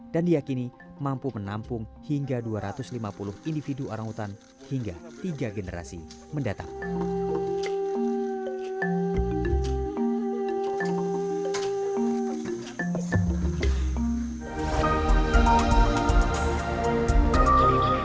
dan diakini mampu menampung hingga dua ratus lima puluh individu orang hutan hingga tiga generasi mendatang